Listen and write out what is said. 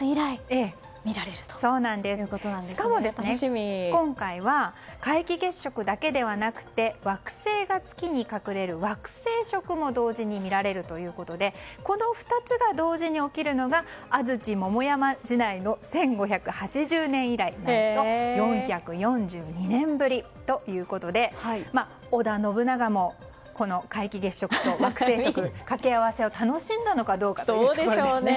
しかも、今回は皆既月食だけではなくて惑星が月に隠れる惑星食も同時に見られるということでこの２つが同時に起きるのが安土桃山時代の１５８０年以来何と４４２年ぶりということで織田信長もこの皆既月食と惑星食の掛け合わせを楽しんだのかどうかというところですね。